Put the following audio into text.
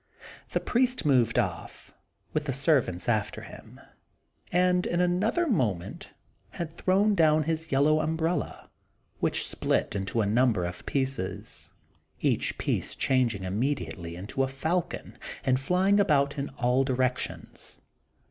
The priest moved off with the servants after him, and in another moment had thrown down his yellow umbrella, which split into a number of pieces, each piece changing immediately into a falcon, and flying about in all directions.